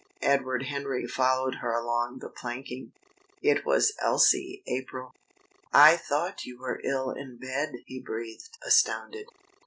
Edward Henry followed her along the planking. It was Elsie April. "I thought you were ill in bed," he breathed, astounded.